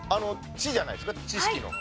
「知」じゃないですか知識の。